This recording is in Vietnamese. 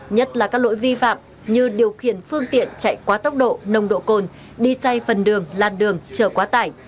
nhất là các lỗi vi phạm như điều khiển phương tiện chạy quá tốc độ nồng độ cồn đi say phần đường lan đường trở quá tải